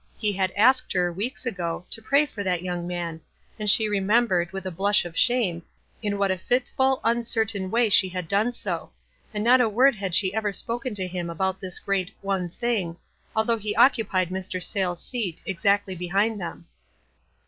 He had asked her, weeks ago, to pray for that young man, and she remembered, with a blush of shame, in what a fitful, uncertain way she had done so ; and not a word had she ever spoken to him about this great "One thing," although he occupied Mr. Sayles' seat, exactly behind them.